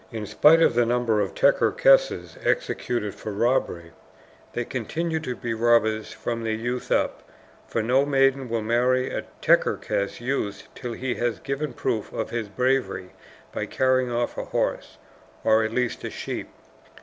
In spite of the number of Tcherkesses executed for robbery, they continue to be robbers from their youth up, for no maiden will marry a Tcherkess youth till he has given proof of his bravery by carrying off a horse, or at least a sheep.